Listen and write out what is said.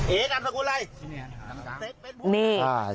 เอ๋นอัมศักดิ์กุลัย